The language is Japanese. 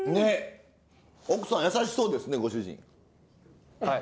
奥さん優しそうですねご主人。